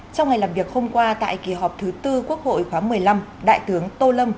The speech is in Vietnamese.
trong ngày làm việc hôm qua tại kỳ họp thứ tư quốc hội khóa một mươi năm đại tướng tô lâm